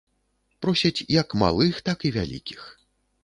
Просяць як малых, так і вялікіх.